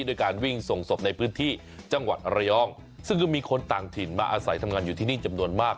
ด้วยการวิ่งส่งศพในพื้นที่จังหวัดระยองซึ่งก็มีคนต่างถิ่นมาอาศัยทำงานอยู่ที่นี่จำนวนมาก